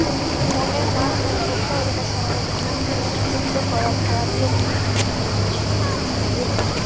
পণ্যের মান এবং ভোক্তা অধিকার সংরক্ষণে যুক্ত করা ধারাগুলোকে ইতিবাচকভাবেই দেখছেন।